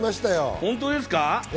本当ですか？